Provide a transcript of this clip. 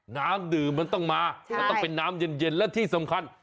น้ำดื่มมันต้องมามันต้องเป็นน้ำเย็นและที่สำคัญ